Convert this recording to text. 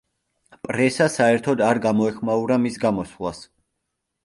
პრესა საერთოდ არ გამოეხმაურა მის გამოსვლას.